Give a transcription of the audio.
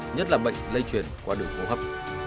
nhất là bệnh lây truyền qua đường hô hấp